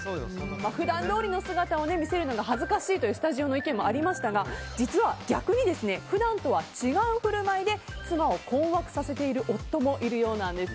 普段どおりの姿を見せるのが恥ずかしいというスタジオの意見もありましたが実は、逆に普段とは違う振る舞いで妻を困惑させている夫もいるようなんです。